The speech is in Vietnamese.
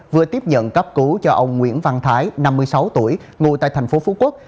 vừa tiếp nhận cấp cứu cho ông nguyễn văn thái năm mươi sáu tuổi ngồi tại tp phú quốc